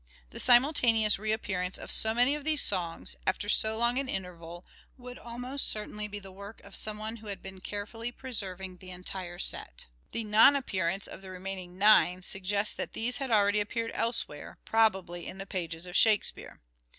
The simultaneous reappearance of so many of these songs, after so long an interval, would almost certainly be the work of some one who had been carefully preserving the entire set. The non appearance of the remaining nine suggests that these had already appeared elsewhere, probably in the pages of " Shakespeare."